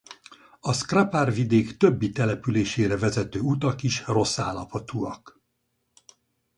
A Skrapar-vidék többi településére vezető utak is rossz állapotúak.